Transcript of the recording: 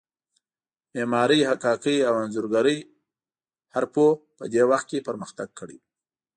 معمارۍ، حکاکۍ او انځورګرۍ حرفو په دې وخت کې پرمختګ کړی و.